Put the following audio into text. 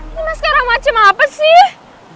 ini mascara macem apa sih